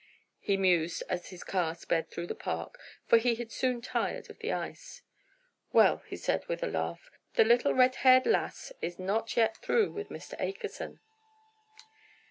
he mused as his car sped through the park, for he had soon tired of the ice. "Well," he said, with a laugh, "the little red haired lass is not yet through with Mr. Akerson."